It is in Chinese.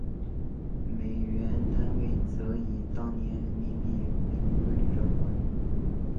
美元单位则以当年人民币平均汇率折算。